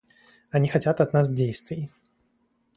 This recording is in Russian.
Они хотят от нас действий.